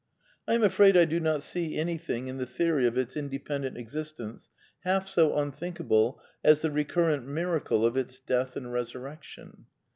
I am afraid I do not see anything in the theory of its inde pendent existence half so unthinkable as the recurrent miracle of its death and resurrection.